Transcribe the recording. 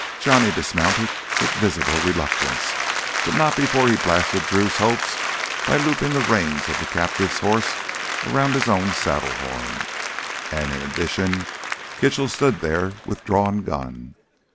Johnny dismounted with visible reluctance, but not before he blasted Drew's hopes by looping the reins of the captive's horse around his own saddle horn. And in addition Kitchell stood there with drawn gun.